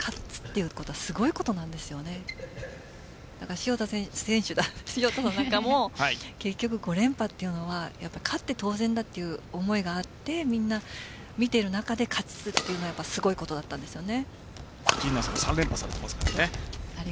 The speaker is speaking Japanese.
潮田さんも結局、５連覇というのは勝って当然だという思いがあってみんな見ている中で勝つというのはすごいことだったんですよね。